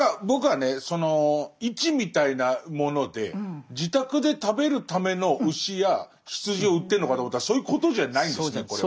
その市みたいなもので自宅で食べるための牛や羊を売ってるのかと思ったらそういうことじゃないんですねこれは。